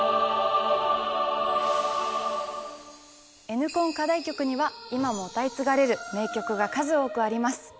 Ｎコン課題曲には今も歌い継がれる名曲が数多くあります。